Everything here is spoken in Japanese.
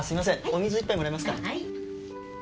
お水一杯もらえますか。